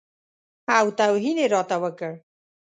او توهین یې راته وکړ.